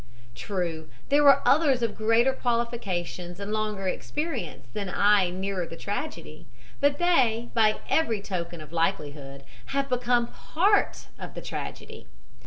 "True, there were others of greater qualifications and longer experience than I nearer the tragedy but they, by every token of likelihood, have become a part of the tragedy.